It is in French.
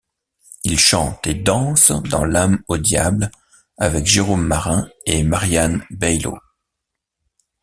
Il chante et danse dans l'Àme au diable avec Jérôme Marin et Marianne Baillot.